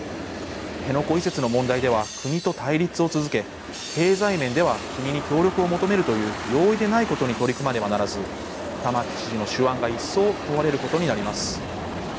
辺野古移設の問題では国と対立を続け、経済面では国に協力を求めるという容易でないことに取り組まねばならず玉城知事の手腕が一層問われることになります。